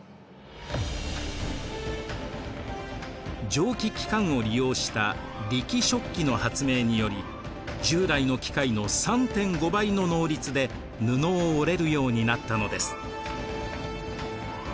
蒸気機関を利用した力織機の発明により従来の機械の３．５倍の能率で布を織れるようになったのです。